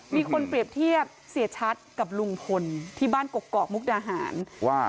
มีคนเปรียบเทียบเสียชัดกับลุงพลที่บ้านกกอกมุกดาหารว่า